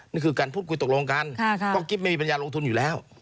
นี่คือการพูดคุยตกลงกันเพราะกิ๊บไม่มีปัญญาลงทุนอยู่แล้ว